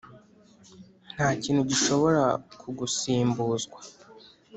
ntakintu gishobora kugusimbuzwa.